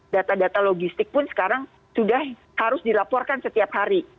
data data logistik pun sekarang sudah harus dilaporkan setiap hari